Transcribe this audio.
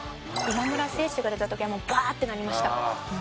「今村選手が出た時はもうバーッてなりました」